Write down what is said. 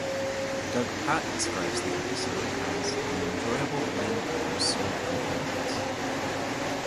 Doug Pratt describes the episode as "an enjoyable blend of absurd components".